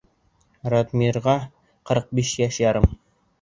Радмирға ҡырҡ биш йәш ярым.